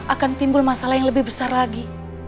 akan timbul masalah yang lebih besar lagi